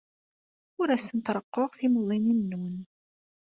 Ur asent-reqquɣ i timuḍinin-nwen.